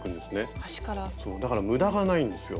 だから無駄がないんですよ。